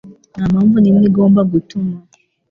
Nta mpamvu n’imwe igomba gutuma